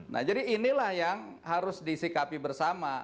nah jadi inilah yang harus disikapi bersama